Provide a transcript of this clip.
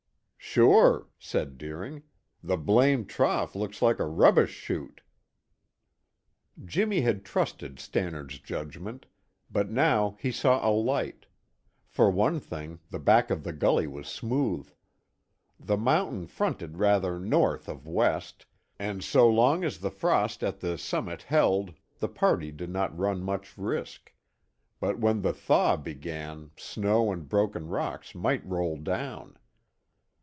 "Sure," said Deering. "The blamed trough looks like a rubbish shoot." Jimmy had trusted Stannard's judgment, but now he saw a light; for one thing, the back of the gully was smooth. The mountain fronted rather north of west, and so long as the frost at the summit held, the party did not run much risk, but when the thaw began snow and broken rocks might roll down.